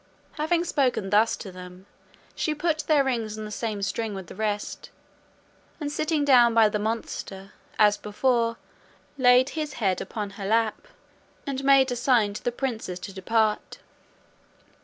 Having spoken thus to them, she put their rings on the same string with the rest, and sitting down by the monster, as before, laid his head again upon her lap, end made a sign to the princes to depart.